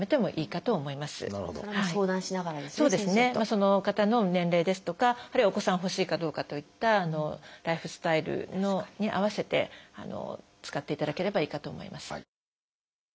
その方の年齢ですとかあるいはお子さん欲しいかどうかといったライフスタイルに合わせて使っていただければいいかと思います。